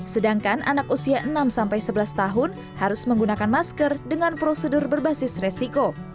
sedangkan anak usia enam sebelas tahun harus menggunakan masker dengan prosedur berbasis resiko